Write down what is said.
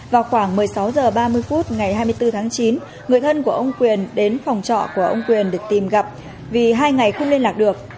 vào khoảng một mươi sáu h ba mươi phút ngày hai mươi bốn tháng chín người thân của ông quyền đến phòng trọ của ông quyền để tìm gặp vì hai ngày không liên lạc được